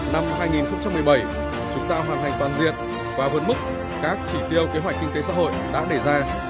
năm hai nghìn một mươi bảy chúng ta hoàn hành toàn diện qua vấn mức các chỉ tiêu kế hoạch kinh tế xã hội đã đề ra